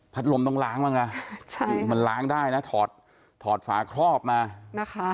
ลมต้องล้างบ้างนะใช่มันล้างได้นะถอดถอดฝาครอบมานะคะ